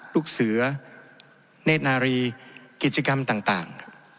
ทัศนสึกษาต่าง